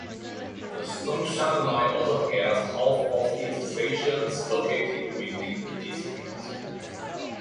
The Songshan Line also has half of its stations located within the district.